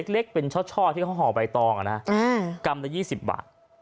เล็กเป็นชอบที่เขาห่อใบตองอ่ะนะกำลัง๒๐บาท